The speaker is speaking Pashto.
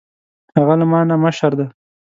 هغه له ما نه مشر ده